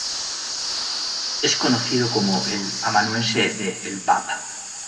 Es conocido como el amanuense de El Báb.